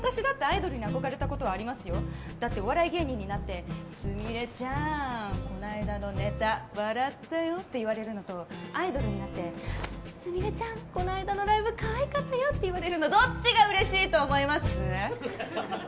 だってお笑い芸人になって「すみれちゃんこの間のネタ笑ったよ」って言われるのとアイドルになって「すみれちゃんこの間のライブかわいかったよ」って言われるのどっちが嬉しいと思います？